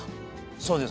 そうです